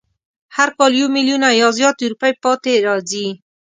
هر کال یو میلیونه یا زیاتې روپۍ پاتې راځي.